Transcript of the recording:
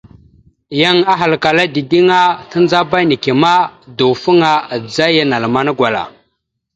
Yan ahalkala dideŋ a, tandzaba neke ma, dawəfaŋa adzaya naləmana gwala.